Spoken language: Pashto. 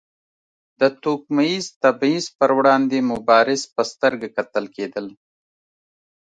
د توکمیز تبیض پر وړاندې مبارز په سترګه کتل کېدل.